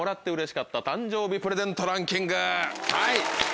はい。